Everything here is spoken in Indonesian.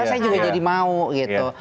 saya juga jadi mau gitu